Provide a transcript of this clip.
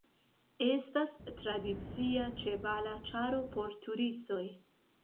Estas tradicia ĉevala ĉaro por turistoj.